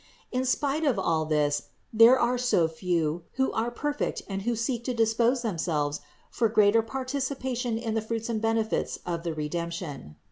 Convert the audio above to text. In spite of all this there are so few, who are perfect and who seek to dispose themselves for greater participation in the fruits and benefits of the Redemption.